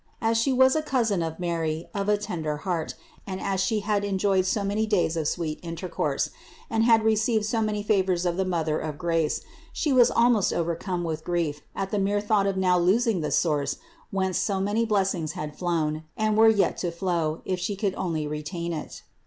As She was a cousin of Mary, of a tender heart, and as She had enjoyed so many days of sweet intercourse, and had received so many favors of the Mother of grace, she was almost overcome with grief at the mere thought of now losing the source whence so many blessings had flown and were yet to THE INCARNATION 247 flow, if she could only retain it.